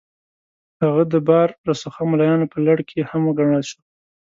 هغه د با رسوخه ملایانو په لړ کې هم وګڼل شو.